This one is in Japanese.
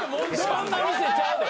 そんな店ちゃうで。